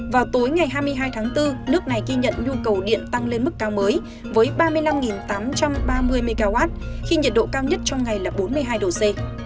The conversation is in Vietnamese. vào tối ngày hai mươi hai tháng bốn nước này ghi nhận nhu cầu điện tăng lên mức cao mới với ba mươi năm tám trăm ba mươi mw khi nhiệt độ cao nhất trong ngày là bốn mươi hai độ c